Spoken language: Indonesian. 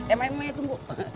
eh main main tunggu